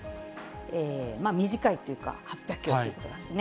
短いというか、８００キロということなんですね。